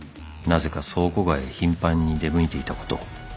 なぜか倉庫街へ頻繁に出向いていたこと